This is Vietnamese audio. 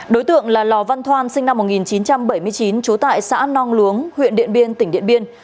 đối tượng là lò văn thoan sinh năm một nghìn chín trăm bảy mươi chín trú tại xã nong luống huyện điện biên tỉnh điện biên